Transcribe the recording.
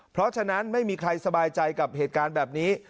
เพราะฉะนั้นไม่มีใครสบายใจกับเหตุการณ์แบบนี้